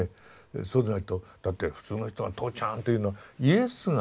そうでないとだって普通の人が「とうちゃん」と言うのはイエスがね